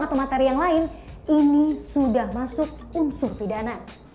atau materi yang lain ini sudah masuk unsur pidana